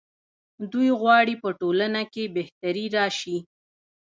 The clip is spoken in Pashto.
دوی غواړي په ټولنه کې بهتري راشي.